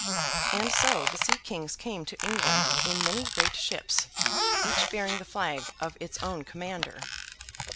And so, the sea kings came to England in many great ships, each bearing the flag of its own commander.